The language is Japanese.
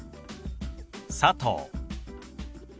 「佐藤」。